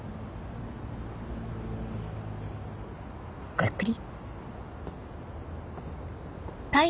ごゆっくり。